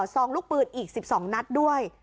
ซองลูกปืนอีก๑๒นัดด้วย